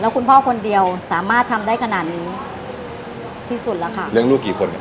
คุณพ่อคนเดียวสามารถทำได้ขนาดนี้ที่สุดแล้วค่ะเลี้ยงลูกกี่คน